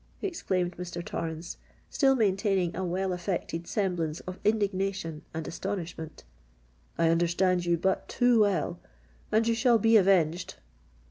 exclaimed Mr. Torrens, still maintaining a well affected semblance of indignation and astonishment. "I understand you but too well—and you shall be avenged!"